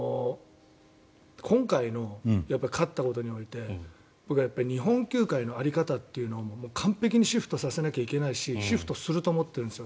今回の勝ったことにおいて僕は日本球界の在り方というのをもう完璧にシフトさせなきゃいけないしシフトすると思ってるんですよ。